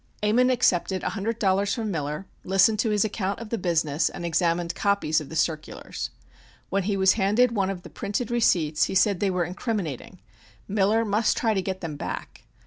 Ammon accepted a hundred dollars from Miller, listened to his account of the business and examined copies of the circulars. When he was handed one of the printed receipts he said they were "incriminating." Miller must try to get them back.